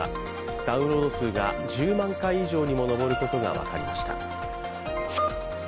ダウンロード数が１０万回以上にも上ることが分かりました。